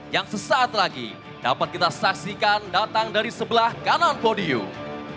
yang sesaat lagi dapat kita saksikan datang dari sebelah kanan podium